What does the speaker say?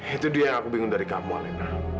itu dia yang aku bingung dari kamu alena